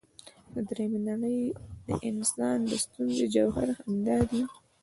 د درېمې نړۍ د انسان د ستونزې جوهر همدا دی.